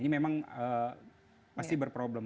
ini memang pasti berproblem